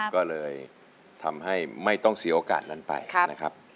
ก็เลยทำให้ไม่ต้องเสียโอกาสนั้นไปนะครับ